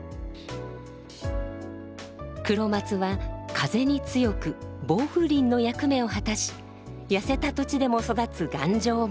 黒松は風に強く防風林の役目を果たし痩せた土地でも育つ頑丈者。